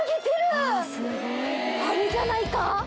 あれじゃないか？